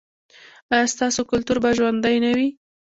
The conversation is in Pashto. ایا ستاسو کلتور به ژوندی نه وي؟